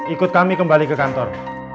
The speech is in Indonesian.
ikut kami kembali ke kantor